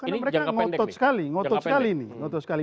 tidak ada yang menangkap